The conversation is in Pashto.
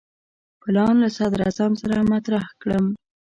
پلان له صدراعظم سره مطرح کړم.